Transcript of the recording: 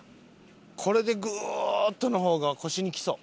これでグーッとの方が腰にきそう。